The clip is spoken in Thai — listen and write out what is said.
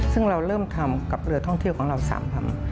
ซึ่งเราเริ่มทำกับเรือท่องเที่ยวของเรา๓ลำ